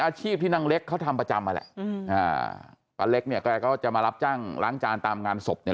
อาชีพที่นางเล็กเขาทำประจำมาแหละอืมอ่าป้าเล็กเนี่ยแกก็จะมารับจ้างล้างจานตามงานศพเนี่ย